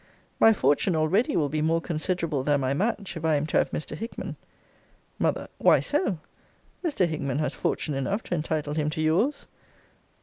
My fortune already will be more considerable than my match, if I am to have Mr. Hickman. M. Why so? Mr. Hickman has fortune enough to entitle him to your's.